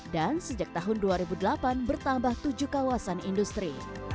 dan sejak tahun dua ribu delapan bertambah tujuh kawasan industri